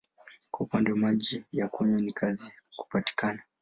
Kwa upande wa maji ya kunywa ni kazi kupatikana.